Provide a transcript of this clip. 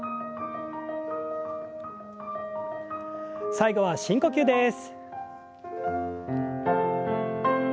最後は深呼吸です。